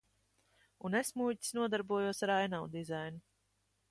Un es, muļķis, nodarbojos ar ainavu dizainu.